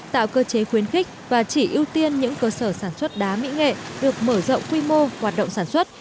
tạo cơ chế khuyến khích và chỉ ưu tiên những cơ sở sản xuất đá mỹ nghệ được mở rộng quy mô hoạt động sản xuất